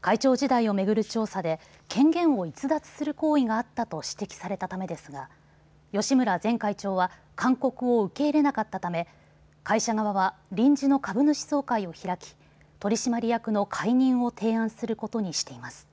会長時代を巡る調査で権限を逸脱する行為があったと指摘されたためですが吉村前会長は勧告を受け入れなかったため会社側は臨時の株主総会を開き取締役の解任を提案することにしています。